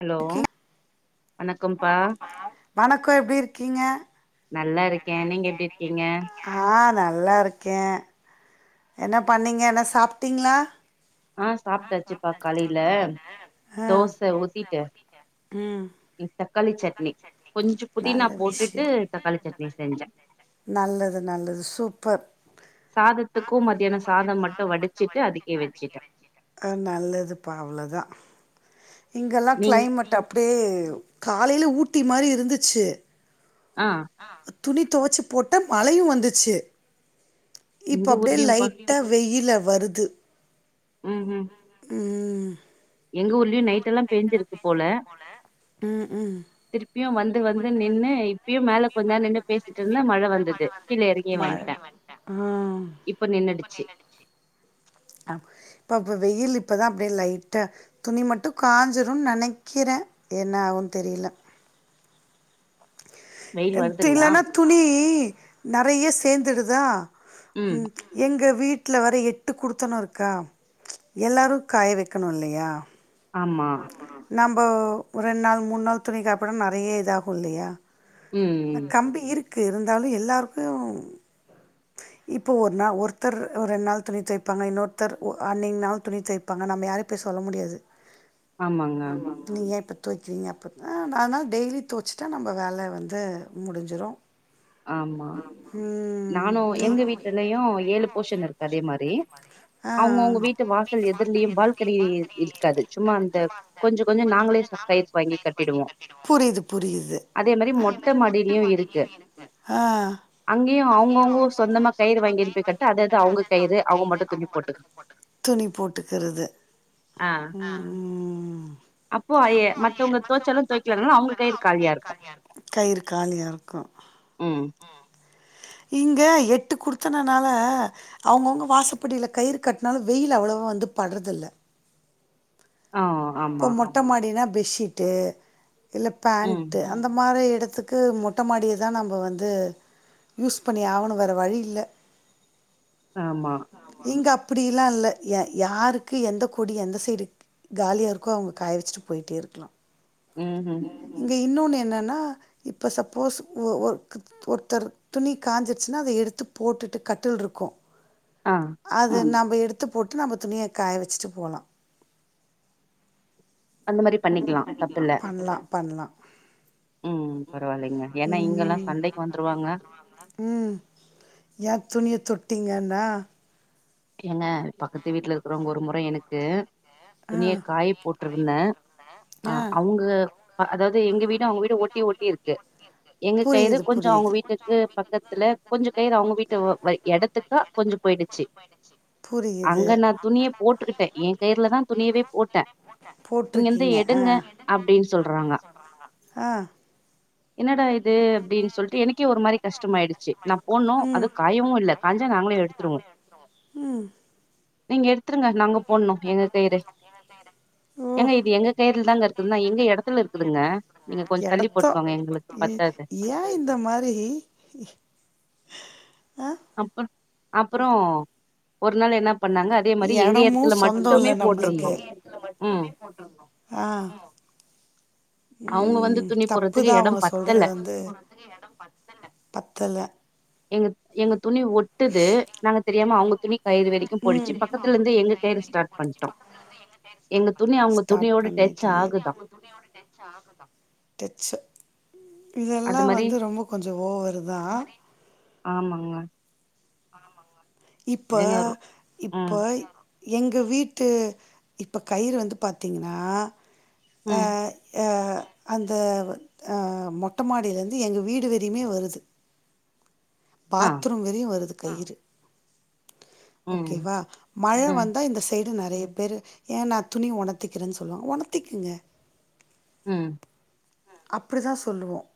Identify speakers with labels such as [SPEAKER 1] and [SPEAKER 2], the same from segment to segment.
[SPEAKER 1] Hello வணக்கம்ப்பா
[SPEAKER 2] வணக்கம்பா வணக்கம் எப்படி இருக்கீங்க
[SPEAKER 1] நல்லா இருக்கேன் நீங்க எப்படி இருக்கீங்க
[SPEAKER 2] ஆ நல்லா இருக்கேன் என்ன பண்ணீங்க என்ன சாப்பிட்டீங்களா
[SPEAKER 1] ஆஹ் சாப்பிட்டாசிப்பா காலையில
[SPEAKER 2] ஆ
[SPEAKER 1] தோச ஊத்திட்டு
[SPEAKER 2] ம்
[SPEAKER 1] தக்காளி சட்னி கொஞ்சோ புதினா
[SPEAKER 2] நல்ல
[SPEAKER 1] போட்டுட்டு
[SPEAKER 2] விஷயோ
[SPEAKER 1] தக்காளி சட்னி செஞ்சேன்
[SPEAKER 2] நல்லது நல்லது சூப்பர்
[SPEAKER 1] சாதத்துக்கும் மத்தியானம் சாதம் மட்டும் வடிச்சிட்டு அதுக்கே வச்சுட்டேன்
[SPEAKER 2] அ நல்லது பா அவ்வளவு தான் இங்கெல்லாம்
[SPEAKER 1] நீங்
[SPEAKER 2] கிளைமட் அப் [unintelligible] காலையில ஊட்டி மாதிரி இருந்துச்சு
[SPEAKER 1] ஆஹ்
[SPEAKER 2] துணி துவச்சு போட்ட மழையும் வந்துச்சு
[SPEAKER 1] எங்க
[SPEAKER 2] இப்ப அப்படியே
[SPEAKER 1] ஊர்லயும்ப்பா
[SPEAKER 2] லைட்டா வெயில் வருது
[SPEAKER 1] உம் உம்
[SPEAKER 2] உம்
[SPEAKER 1] எங்க ஊர்ல எப்படியும் நைட் எல்லாம் பெஞ்சிருக்கு போல
[SPEAKER 2] ம் ம்
[SPEAKER 1] திருப்பியும் வந்து வந்து நின்னு இப்பயும் மேல கொஞ்நேரம் நின்று பேசிட்டு இருந்த மழ வந்தது கீழே இறங்கிய
[SPEAKER 2] மழ
[SPEAKER 1] வந்துட்டேன்
[SPEAKER 2] ஆ
[SPEAKER 1] இப்ப நின்னுடுச்சு
[SPEAKER 2] இப்பதான் அப்படியே லைட துணி மட்டும் காஞ்சிரும்னு நினைக்கிறேன் என்ன ஆகும் தெரியல
[SPEAKER 1] வெயில் வருதுங்களா
[SPEAKER 2] இல்திலன்னா துணி நெறைய சேர்ந்துடுதா
[SPEAKER 1] ம்
[SPEAKER 2] உம் எங்க வீட்டில வர எட்டு குடுத்தனம் இருக்கா எல்லாரு காய வைக்கணு இல்லையா
[SPEAKER 1] ஆமா
[SPEAKER 2] இப்ப ரெண் நாள் மூண் நாள் துணி காப்பிட நெறைய இதாகும் இல்லையா
[SPEAKER 1] ம்
[SPEAKER 2] கம்பி இருக் க்கு இருந்தாலும் எல்லாருக்கும் இப்போ ஒரு நாள் ஒருத்தர் அ ஒரு ரெண்டு நாள் துணி தோவைப்பாங்க இன்னொருத்தர் ஒ அன்னைய நாள் துணி தோவைப்பாங்க நம்ம யாரையும் போய் சொல்ல முடியாது
[SPEAKER 1] ஆமாங்க
[SPEAKER 2] ஆமா நீயேப் துவைக்கிறீங்க அப்பப்போ அதனால் டெய்லி துவைச்சிட்டா நம்ம வேல வந்து முடிஞ்சிடும்
[SPEAKER 1] ஆமா நானும்
[SPEAKER 2] நீ
[SPEAKER 1] எங்க வீட்டுலயும் ஏழு போஷன் இருக்கு அதே மாரி
[SPEAKER 2] ஆ
[SPEAKER 1] அவங்கவுங்க வீட்டு வாசல் எதிர்லயும் பால்கனி இருக்காது சும்மா அந்த கொஞ்சம் கொஞ்சம் நாங்களே கயிற வாங்கி கட்டிடுவோம்
[SPEAKER 2] புரியுது புரியுது
[SPEAKER 1] அதே மாரி மொட்ட மாடியிலயும் இருக்கு
[SPEAKER 2] ஆ
[SPEAKER 1] அங்கேயும் அவங்கவுங்கோ கயிறு அவங்க மட்டு துணி போட்டுக்கு
[SPEAKER 2] துணி போட்டுக்கிறது
[SPEAKER 1] ஆ
[SPEAKER 2] உம் ம்
[SPEAKER 1] அப்போ ஐய- மத்தவங்க துவச்சாலு துவைக்கலனாலு அவங்க கயிறு காலியா இருக்கு
[SPEAKER 2] கயிறு காலியா இருக்கும்
[SPEAKER 1] ம்
[SPEAKER 2] இங்க எட்டு கொடுத்தனனால அவங்கவுங்க வாசப்படியில கயிறு கட்டினாலும் வெயில் அவ்வளவோ வந்து பட்றதில்ல
[SPEAKER 1] ஆ ஆமா
[SPEAKER 2] இப்ப மொட்ட மாடினா பெட்ஷீட்டு இல்ல
[SPEAKER 1] ம்
[SPEAKER 2] பேண்ட் அந்த மாரி இடத்துக்கு மெட்ட மாடிய தான் நாம வந்து யூஸ் பண்ணி ஆவணு வேற வழி இல்ல
[SPEAKER 1] ஆமா
[SPEAKER 2] அப்படிலாம் இல்ல ய யாருக்கு எந்த கொடி எந்த சைடு காலியாக இருக்கோ அவங்க காய வச்சுட்டு போயிட்டே இருக்கலாம்
[SPEAKER 1] உம் உம்
[SPEAKER 2] இன்னொன்னு என்னான்னா இப்போ சப்போஸ் ஒ ஒரு ஒருத்தர் துணி காஞ்சிருச்சின்னா அத எடுத்து போட்டுட்டு கட்டில் இருக்கும்
[SPEAKER 1] ஆ
[SPEAKER 2] அது நம் எடுத்து போட்டு நம்ம துணிய காய வச்சிட்டு போலா
[SPEAKER 1] அந்த மாரி பண்ணிக்கலாம் தப்பில்ல
[SPEAKER 2] பண்லாம்
[SPEAKER 1] உம் பரவாயில்லைங்க ஏன்னா இங்கெல்லாம் சண்டைக்கு வந்துருவாங்க
[SPEAKER 2] டீங்கன்னா
[SPEAKER 1] ஏங்க பக்கத்து வீட்டுல இருக்கிறவங்க ஒரு முற எனக்கு
[SPEAKER 2] ஆ
[SPEAKER 1] துணிய காய போட் ட்டுயிருந்தேன்
[SPEAKER 2] ஆ
[SPEAKER 1] ஆஹ் அவங்க அதாவது எங்க வீடும் அவங்க வீடும் ஓட்டி ஓட்டி இருக்கு எங்க கயிறு
[SPEAKER 2] புரியுது
[SPEAKER 1] கொஞ்ச அவங்க
[SPEAKER 2] புரியுது
[SPEAKER 1] வீட்டுக்கு பக்கத்துல கொஞ்ச கயிறு அவங்க வீட்டு இடத்துக்கா கொஞ்ச போயிடுச்சு
[SPEAKER 2] புரியுது
[SPEAKER 1] அங்க நான் துணிய போட்டுக்கிட்டேன் என் கயிறலதான் துணியவே போட்டேன் இங்கிருந்து
[SPEAKER 2] போட்டிருக்கீங்க ஆ
[SPEAKER 1] எடுங்க அப்படின்னு சொல்றாங்க
[SPEAKER 2] ஆ
[SPEAKER 1] என்னடா இது அப்படின்னு சொல்லிட்டு எனக்கே ஒரு மாரி கஷ்டமாயிடுச்சு நான் போனோம் அது
[SPEAKER 2] ம்
[SPEAKER 1] காயவும் இல்ல காஞ்சா நாங்களே எடுத்துருவோம்
[SPEAKER 2] ம்
[SPEAKER 1] நீங்க எடுத்துருங்க நாங்க போடணும் எங்க கயிறு
[SPEAKER 2] ஓ
[SPEAKER 1] எங்க இது எங்க கயிறல தாங்க இருக்குதுன்னா எங்க இடத்துல இருக்குதுங்க நீங்க கொஞ்சமதள்ளி
[SPEAKER 2] இடத்தம்
[SPEAKER 1] போட்டுக்குங்க எங்களுக்கு
[SPEAKER 2] ஏ-
[SPEAKER 1] பத்தா
[SPEAKER 2] ஏன் இந்த மாரி இ
[SPEAKER 1] அப்பறம் அப்பறம் ஒரு நாள் என்ன பண்ணாங்க அதே மாரி எங்க
[SPEAKER 2] இடமும்
[SPEAKER 1] இடத்துல
[SPEAKER 2] சொந்தம்
[SPEAKER 1] மட்டுமே
[SPEAKER 2] இல்லை நம்மளுக்கு
[SPEAKER 1] போட்டிருந்தும் உம்
[SPEAKER 2] உம் தப்புதான் அவங்க சொல்றது
[SPEAKER 1] பத்தல
[SPEAKER 2] வந்து பத்துல
[SPEAKER 1] எங்க எங்க துணி ஒட்டுது நாங்க தெரியாம அவங்க துணி கயிறு வரைக்கு போயிடுச்சு
[SPEAKER 2] உம்
[SPEAKER 1] பக்கத்துல இருந்து எங்க கயிறு ஸ்டார்ட் பண்ட்டோ எங்க துணி அவங்க
[SPEAKER 2] சாட்
[SPEAKER 1] துணியோட டச்
[SPEAKER 2] பண்ணிட்டீங்க
[SPEAKER 1] ஆகுதா
[SPEAKER 2] டச்சு
[SPEAKER 1] அது
[SPEAKER 2] இதெல்லாம்
[SPEAKER 1] மாரி
[SPEAKER 2] வந்து ரொம்ப கொஞ்சம் ஓவர் தான்
[SPEAKER 1] ஆமாங்க
[SPEAKER 2] ஆமாமா இப்ப
[SPEAKER 1] இல்லைங்க ரொ- ம்
[SPEAKER 2] இப்ப எங்க வீட்டு இப்ப கயிறு வந்து பார்த்தீங்கன்னா
[SPEAKER 1] ம்
[SPEAKER 2] ஆஹ் ஆஹ் அந்த அஹ் மொட்ட மாடியில இருந்து எங்க வீடு வெறியுமே வருது
[SPEAKER 1] ஆ
[SPEAKER 2] பாத்ரூம் வெறியும் வருது கயிறு
[SPEAKER 1] ம்
[SPEAKER 2] ஓகேவா மழை
[SPEAKER 1] ம்
[SPEAKER 2] வந்தா இந்த சை நிறைய பேர் ஏ நான் துணி உணர்த்திக்குறேன்னு சொல்லுவங்க உணர்த்திக்குங்க
[SPEAKER 1] உம்
[SPEAKER 2] அப்படிதான் சொல்லுவோம்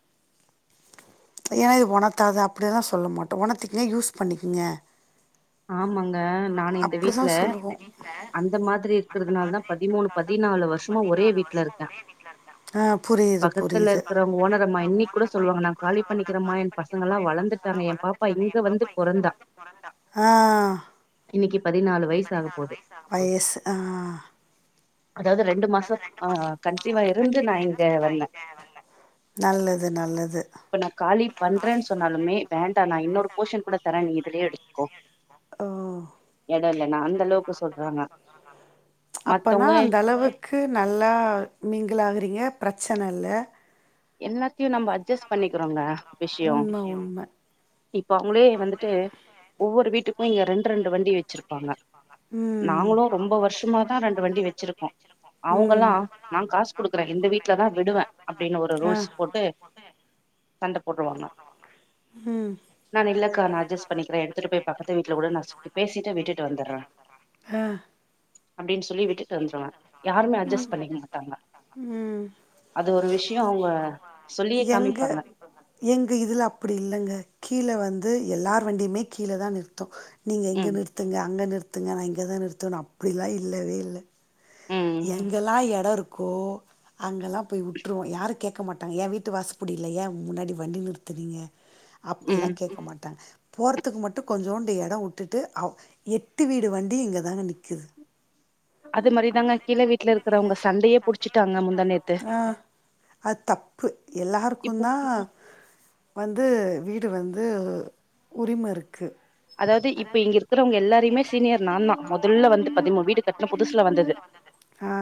[SPEAKER 2] ஏன்னா இது உனத்தது அப்படிதான் சொ சொல்ல மாட்டோம் உணர்த்திக்குங்க யூஸ் பண்ணிக்கங்க
[SPEAKER 1] ஆமாங்க நானு இந்த வீட்ல
[SPEAKER 2] சொல்லுவோ
[SPEAKER 1] அந்த மாதிரி இருக்கிறதுனாலதா பதிமூணு பதினாலு வருஷமா ஒரே வீட்ல இருக்கே
[SPEAKER 2] ஆ புரியுது
[SPEAKER 1] பக்கத்துல
[SPEAKER 2] புரியுது
[SPEAKER 1] இருக்கிறவங்க ஓனரம்மா இன்னிக்கு கூட சொல்வாங்க நான் காலி பண்ணிக்கிறம்மா என் பசங்க எல்லாம் வளந் இன்னைக்கு
[SPEAKER 2] ஆ
[SPEAKER 1] பதினாலு வயசாகப் போவுது
[SPEAKER 2] வயசு ஆஹ்
[SPEAKER 1] அதாவது ரெண்டு மாசோ ஆஹ் கண்ஷிவா இருந்து நா இங்க வந்தே
[SPEAKER 2] நல்லது நல்லது
[SPEAKER 1] இப்ப நா காலி பண்றேன்னு சொன்னாலுமே வேண்டா நா இன்னொரு போர்ஷன் கூட தரேன் நீ இதுலயே எடுத்துக்கோ
[SPEAKER 2] ஓ
[SPEAKER 1] இல்ல இல்ல நா அந்த அளவுக் சொல்றாங்க
[SPEAKER 2] அப்பனா
[SPEAKER 1] மத்தவங்க
[SPEAKER 2] அந்த அளவுக்கு நல்லா மிங்கிளாகறீங்க பிரச்சன இல்ல
[SPEAKER 1] எல்லாத் தையு நம்ம அட்ஜஸ்ட் பண்ணிக்கிறோங்க விஷயோ
[SPEAKER 2] உண்ம உண்ம
[SPEAKER 1] இப்ப அவங்களே வந்துட்டு ஒவ்வொரு வீட்டுக்கும் இங்க ரெண்டு ரெண்டு வண்டி வச்சிருப்பாங்க
[SPEAKER 2] ம்
[SPEAKER 1] நாங்களு ரொம்ப வருஷமாதா ரெண்டு வண்டி வச்சிருக்கோ
[SPEAKER 2] ம்
[SPEAKER 1] அவங்கல்லா நா காசு குடுக்குறே இந்த வீட்லதா விடுவே அப்டின்னு ஒரு ந்த
[SPEAKER 2] ஆ
[SPEAKER 1] ரூல்ஸ் போட்டு சண்டை போடுவாங்க
[SPEAKER 2] ம்
[SPEAKER 1] நா அக்கா நா அட்ஜஸ்ட் பண்ணிக்கிறே எடுத்துட்டு போய் பக்கத்து வீட்ல கூட பேசிட்டு விட்டுட்டு வந்தர்ற
[SPEAKER 2] ஆ
[SPEAKER 1] அப்டினு சொல்லி விட்டுட்டு வந்துருவே யாருமே அட்ஜஸ்ட் பண்ணிக்க மாட்டாங்க அது ஒரு விஷ்
[SPEAKER 2] எங்க எங்க இதுல அப்டி இல்லங்க கீழே வந் இது எல்லார் வண்டியுமே கீழதா நிறுத்தும் நீங்க இங்க
[SPEAKER 1] ம்
[SPEAKER 2] நிறுத்துங்க அங்க நிறுத் த்துங்க நா இங்கதா நிறுத்துவேன்னு அப்டிலா இல்லவே இல்ல
[SPEAKER 1] ம்
[SPEAKER 2] எங்கெல்லா எடோ இருக்கோ அங்கெல்லா போய் வி்ட்ருவோ யாருக் கேக்க மாட்டாங்க ஏன் வீட்டு வாசப்படில ஏன் முன்னாடி வண்டி நிறுத்துனீங்க அப்டில்லா
[SPEAKER 1] ம்
[SPEAKER 2] கேக்க மாட்டே போறதுக்கு மட்டும் கொஞ்சோண்டு எடோ விட்டுட்டு அ எட்டு வீடு வண்டியு இங்கதானுங்க நிக்
[SPEAKER 1] அது மாரி அப்டிதாங்க கீழ வீட்ல இருக்கிறவங்க சண்டையே புடிச்சுட்டாங்க முந்தா நேத்து
[SPEAKER 2] ஆ அது தப்பு
[SPEAKER 1] இப்போ
[SPEAKER 2] எல்லாருக்கும் தான் வந்து வீடு வந்து உரிமை இருக்கு
[SPEAKER 1] அதாவது இப்ப இங்க இருக்கிறவங்க எல்லாருமே சீனியர் நான்தா மொதல்ல வந்து பதிமூனு வீடு கட்ன புதுசுல வந்தது
[SPEAKER 2] ஆ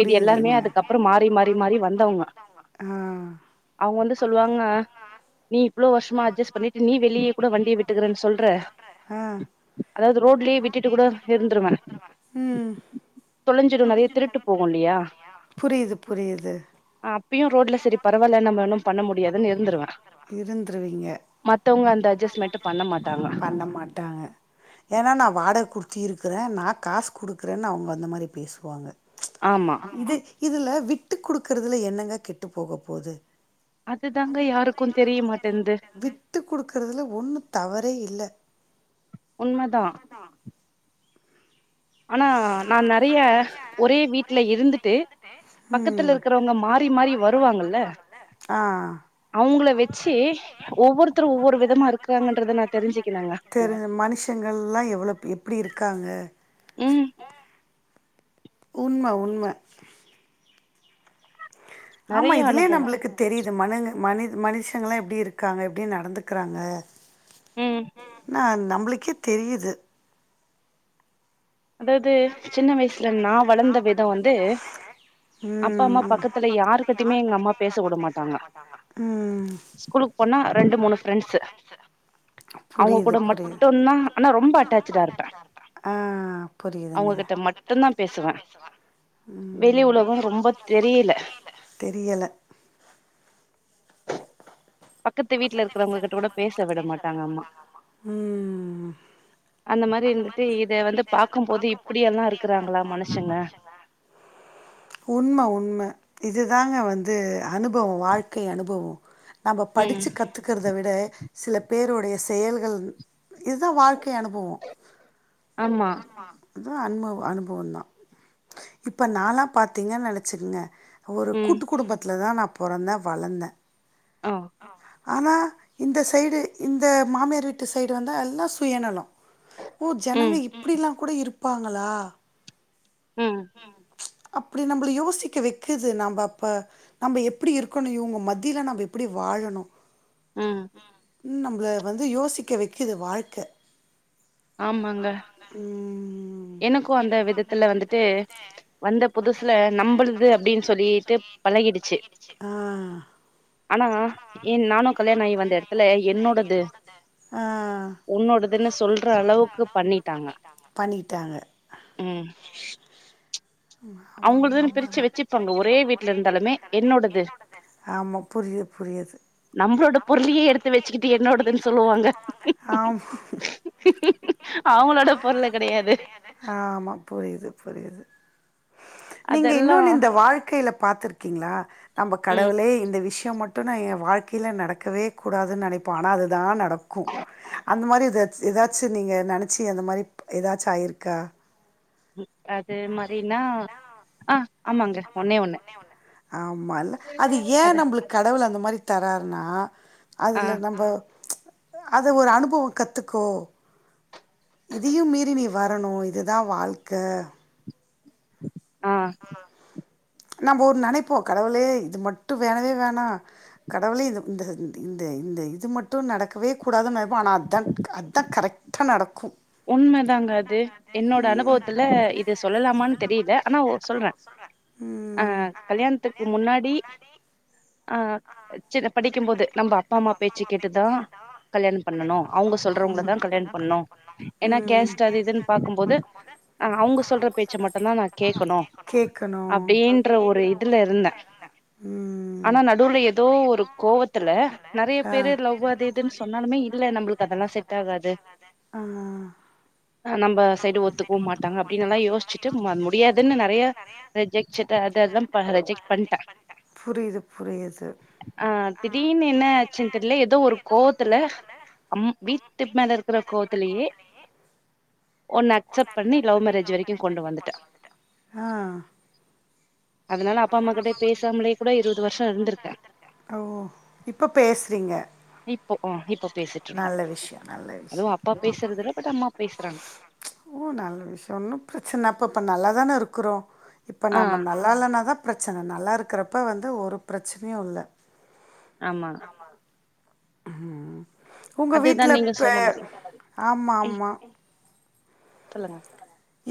[SPEAKER 1] மீதி எல்லாருமே அதுக்கப்புறம் மாறி மாறி மாறி வந்தவங்க
[SPEAKER 2] ஆ
[SPEAKER 1] அவங்க வந்து சொல்லுவாங்க நீ இவ்ளவு வருஷமா அட்ஜஸ்ட் பண்ணிட்டு நீ வெளிய கூட வண்டிய விட்டுக்கறன்னு சொல்ற
[SPEAKER 2] ஆ
[SPEAKER 1] அதாவது ரோட்லயே விட்டுட்டு கூட இருந்துருவே
[SPEAKER 2] ம்
[SPEAKER 1] தொலஞ்சிரு நெறைய திருட்டு போகு இல்லையா
[SPEAKER 2] புரியுது புரியுது
[SPEAKER 1] ஆ அப்பயும் ரோட்ல சரி பரவால்ல நம்ம ஒன்னும் பண்ண முடியாதுன்னு இருந்திருவே
[SPEAKER 2] இருந்துருவீங்க
[SPEAKER 1] மத்தவங்க அந்த அட்ஜஸ்டமெண்ட் பண்ண மாட்டாங்க
[SPEAKER 2] பண்ண மாட்டாங்க ஏன்னா நான் வாடகை குடுக் ட்டி இருக்கிறே நா காசு குடுக்குறேன்னு அவங்க அந்த மாரி பேசுவாங்க
[SPEAKER 1] ஆமா
[SPEAKER 2] இது இதுல விட்டு கொடுக்குறதுல என்னங்க கெட்டு போக போகுது
[SPEAKER 1] அதுதாங்க யாருக்கும் தெரியமாட்டேது
[SPEAKER 2] விட்டு கொடுக்கறதுல ஒன்றும் தவறே இல்லை
[SPEAKER 1] உண்மதான் ஆனா நான் நெறைய ஒரே வீட்டுல இருந்துட்டு பக்கத்துல
[SPEAKER 2] ம்
[SPEAKER 1] இருக்கிறவங்க மாறி மாறி வருவாங்கல்ல
[SPEAKER 2] ஆ
[SPEAKER 1] அவங்கள வச்சு ஒவ்வொருத்தரும் ஒவ்வொரு விதமா இருக்கறாங்கன்றத நா தெரிஞ்சுக்கினேங்க
[SPEAKER 2] தெரி மனுஷங்கள்லா எவ்ளோ எப்டி
[SPEAKER 1] உம்
[SPEAKER 2] உன்மா உன்மா ஆமா
[SPEAKER 1] நெறைய
[SPEAKER 2] இதுலயே
[SPEAKER 1] அனுபவோ
[SPEAKER 2] நம்மளுக்கு தெரியுது மனுங்க மனி மனுஷங்களாம் எப்படி இருக்காங்க எப்படி நடந்துக்கறாங்க
[SPEAKER 1] ம்
[SPEAKER 2] நான் நம்மளுக்கே தெரியுது
[SPEAKER 1] அதாவது சின்ன வயசுல நா வளர்ந்த விதோ வந்து அப்பா
[SPEAKER 2] ம்
[SPEAKER 1] அம்மா
[SPEAKER 2] ம்
[SPEAKER 1] பக்கத்துல யாருகிட்டயுமே எங்க அம்மா பேச விட மாட்டாங்க ஸ்கூலுக்கு போனா ரெண்டு மூணு ஃப்ரெண்ட்ஸு அவங்க
[SPEAKER 2] புரிது
[SPEAKER 1] கூட
[SPEAKER 2] புரிது
[SPEAKER 1] மட்டுந்தா ஆனா ரொம்ப அட்டாச்சடா இருப்பே
[SPEAKER 2] ஆஹா
[SPEAKER 1] அவங்ககிட்ட மட்டும் தான் பேசுவேன் வெளி
[SPEAKER 2] ம்
[SPEAKER 1] உலகம் ரொம்பதெரியல
[SPEAKER 2] தெரியல
[SPEAKER 1] பக்கத்து வீட்டுல இருக்கிறவங்க கிட்ட கூட பேச விட மாட்டாங்க அம்மா
[SPEAKER 2] ம்
[SPEAKER 1] அந்த மாரி இருந்துட்டு இத வந்து பாக்கும்போது இப்படியெல்லாம் இருக்கிறாங்களா மனுஷங்க
[SPEAKER 2] உண்ம, உண்ம. இதுதாங்க வந்து அனுபவம் வாழ்க்கை அனுபவம் நம்
[SPEAKER 1] ம்
[SPEAKER 2] படிச்ச கத்துக்குறது அதவிட சில பேருடைய செயல்கள் இதுதான் வாழ்க்கை அனுபவம்
[SPEAKER 1] ஆமா
[SPEAKER 2] அவும் அனுபவ அனுபவம் தான் இப்போ நானலாம் பார்த்தீங்கன் நினைச்சக்கங்க ஒரு
[SPEAKER 1] ம்
[SPEAKER 2] கூட்டு குடும்பத்துத்தில தான் நா பொறந்த வளர்ந்த
[SPEAKER 1] ஆஹ்
[SPEAKER 2] ஆனா இந்த சைடு இந்த மாமியார் வீட்டு சைடு வந்து எல்லா சுயணலம் ஓ ஜனங்க
[SPEAKER 1] ம்
[SPEAKER 2] இப்படிலாம் கூட இருப்பாங்களா
[SPEAKER 1] ஹம்
[SPEAKER 2] அப்படி நம்மள யோசிக்க வைக்குது நம்ம அப்ப நம்ம எப்படி இருக்கணும் இவங்க மத்தியில நம்ம எப்படி வாழணும்
[SPEAKER 1] ம்
[SPEAKER 2] நம்மள வந்து யோசிக்க வைக்கது வாழ்க்க
[SPEAKER 1] ஆமாங்க
[SPEAKER 2] ம்
[SPEAKER 1] எனக்கும் அந்த விதத்துல வந்துட்டு வந்த புதுசுல நம்பளுது அப்படின்னு சொல்லிட்டு பழகிடுச்சு
[SPEAKER 2] ஆ
[SPEAKER 1] ஆனா என் நானும் கல்யாணம் ஆகி வந்த இடத்துல என்னோடது
[SPEAKER 2] ஆ
[SPEAKER 1] உன்னோடதுன்னு சொல்
[SPEAKER 2] பண்ணிட்டாங்க
[SPEAKER 1] [inaudible]
[SPEAKER 2] ஆமா
[SPEAKER 1] அவங்களதுன்னு பிரிச்சு
[SPEAKER 2] உண்மதா
[SPEAKER 1] வச்சுருப்பாங்க ஒரே வீட்ல இருந்தாலுமே என்னோடது
[SPEAKER 2] ஆமா புரியுது புரியுது
[SPEAKER 1] நம்மளோட பொருளையே எடுத்து வச்சுக்கிட்டு என்னோடதுன்னு சொல்லுவாங்க
[SPEAKER 2] ஆமா
[SPEAKER 1] அவங்களோட பொருள கடையாது
[SPEAKER 2] ஆமா புரியுது புரியுது நீங்க இன்னொன்னு இந்த வாழ்க்கையில பார்த்திருக்கீங்களா நம்ம
[SPEAKER 1] ம்
[SPEAKER 2] கடவுளே இந்த விஷயம் மட் என்ன என் வாழ்க்கையில நடக்கவே கூடாதுன்னு நெனைப்போம் ஆனா அதுதான் நடக் கும் அந்த மாரி ஏதாச்சும் நீங்க நெனச்சு அந்த மாரி ஏதாச்சி ஆயிருக்கா
[SPEAKER 1] அது மாரினா ஆ ஆமாங்க ஒன்னே ஒண்ணு
[SPEAKER 2] ஆமால்ல அது
[SPEAKER 1] அத
[SPEAKER 2] ஏன் நம்மளுக்கு கடவுள் அந்த மாரி தராருனா
[SPEAKER 1] ஆ
[SPEAKER 2] அதுல நம்ம அது ஒரு அனுபவம் கத்துக்கோ இதையும் மீறி நீ வரணும் இதுதான் வாழ்க்க
[SPEAKER 1] [inaudible] ஆ
[SPEAKER 2] நம்ம ஒரு நெனப்போம் கடவுளே இது மட்டும் வேணவே வேணாம் கடவுளே இது இந்த இந்த இது மட்டும் நடக்கவே கூடாதுன்னு நெனப்போம் ஆனால் அதான் அதுதான் கரெக்டாக நடக்கும்
[SPEAKER 1] உண்மைதாங்க அது என்னோட அனுபவத்துல இது சொல்லலாமான்னு தெரில ஆனா ஒரு சொல்றேன் அ
[SPEAKER 2] ம்
[SPEAKER 1] கல்யாணத்துக்கு முன்னாடி ஆ சித படிக்கும்போது நம்ம அப்பா அம்மா பேச்சு கேட்டு தான் கல்யாணம் பண்ணணும் அவுங்க சொல்றவங்கள தான் கல்யாணம் பண்ணணும்
[SPEAKER 2] ம்ம்
[SPEAKER 1] ஆ அவங்க சொல்ற பேச்ச மட்டுந்தா நா கேட்கணு
[SPEAKER 2] கேக்கணும்
[SPEAKER 1] அப்டின்ற ஒரு இதுல
[SPEAKER 2] ம்ம்
[SPEAKER 1] இருந்தே ஆனா நடுவுல ஏதோ ஒரு கோவத்துல நெறைய பேரு லவு அது இதுன்னு சொன்னாலுமே இல்ல நம்மளுக்கு அதெல்லாம் செட் ஆகாது
[SPEAKER 2] ஆ
[SPEAKER 1] ஹ நம்ம சைடு ஒத்துக்கவும் மாட்டாங்க அப்டின்னு எல்லாம் யோசிச்சுட்டு முடியாதுன்னு நெறைய ரிஜெக்ட் அத அதெல்லாம் ரிஜெக்ட் பண்ணிட்டன்
[SPEAKER 2] புரியுது புரியுது
[SPEAKER 1] ஆ திடீர்னு என்ன ஆச்சுன்னு தெரியல ஏதோ ஒரு கோவத்துல அம் வீட்டுக்கு மேல இருக்கிற கோவத் இதுலயே ஒன்னு அக்சப்ட் பண்ணி லவ் மேரேஜ் வரைக்கும் கொண்டு வந்துட்டேன்
[SPEAKER 2] ஆ
[SPEAKER 1] அதனால அப்பா அம்மா கிட்ட பேசாமலேயே கூட இருபது வருஷம் இருந்திருக்கேன்
[SPEAKER 2] இப்ப பேசுறீங்க
[SPEAKER 1] ஆ இப்போ பேசிட்டு இருக்கோ
[SPEAKER 2] நல்ல விஷயம் நல்ல
[SPEAKER 1] அதுவு
[SPEAKER 2] விஷயம்
[SPEAKER 1] அப்பா பேசுறதுல பட் அம்மா பேசுறாங்க
[SPEAKER 2] ஓ நல்ல விஷயம் ஒன்னும் பிரச்சனைப்ப நல்லாதானே இருக்கிறோம் இப்போ
[SPEAKER 1] ஆ
[SPEAKER 2] நம்ம நல்லா இல்லனா தான் பிரச்சன நல்லா இருக்கிறப்ப வந்து ஒரு பிரச்சனையும் இல்ல
[SPEAKER 1] ஆமா
[SPEAKER 2] ம்ம் உங்க
[SPEAKER 1] அதுதா
[SPEAKER 2] வீட்ல
[SPEAKER 1] நீங்க
[SPEAKER 2] இப்ப
[SPEAKER 1] சொன்ன மாரி
[SPEAKER 2] ஆமா
[SPEAKER 1] ம்
[SPEAKER 2] ஆமா
[SPEAKER 1] சொல்லுங்க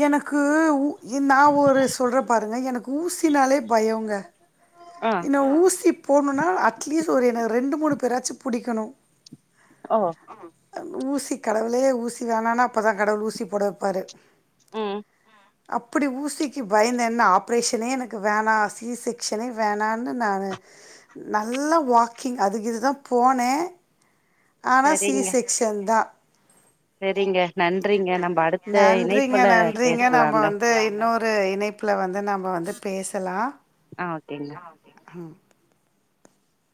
[SPEAKER 2] எனக்கு உ நான் ஒரு சொல்றேன் பாருங்க எனக்கு ஊசினாலே பயம்ங்க
[SPEAKER 1] ஆ
[SPEAKER 2] என்ன ஊசி போடணும்னா அட்லீஸ்ட் ஒரு எனக்கு ரெண்டு மூணு பேராச்சும் புடிக்கணும்
[SPEAKER 1] ஓ
[SPEAKER 2] ஊசி கடவுளே ஊசி வேணனா அப்போ தான் கடவுள் ஊசி போட வைப்பாரு
[SPEAKER 1] உம்
[SPEAKER 2] அப்புடி ஊசிக்கு பயந்தேன்னா ஆப்ரேஷனே எனக்கு வேணாம் சி செக்க்ஷனே வேணான்னு நான் நல்லா வாக்கிங் அது இதுதான் போனேன் ஆனா சி செக்க்ஷன் தான்
[SPEAKER 1] செரிங்க நன்றிங்க நம்ம அடுத்த
[SPEAKER 2] நன்றிங்க
[SPEAKER 1] இணைப்புல பேசலாங்க
[SPEAKER 2] வேற இணைப்புல வந்து நம்ம வந்து பேசலாம்
[SPEAKER 1] ஆஹ் ஓகேங்க